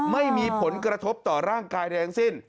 ไม่มีผลกระทบต่อร่างกายใดทั้งสิ้น